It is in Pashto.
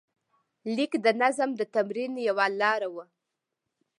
لیک د نظم د تمرین یوه لاره وه.